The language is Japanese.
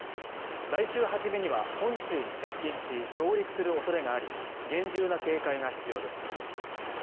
来週初めには本州に接近し上陸するおそれがあり厳重な警戒が必要です